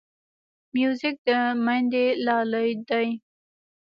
موزیک د میندې لالې دی.